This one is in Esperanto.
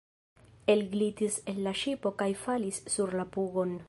Elglitis el la ŝipo kaj falis sur la pugon.